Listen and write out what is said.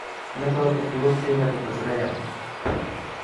نه به په خولو کي نه به په زړه یم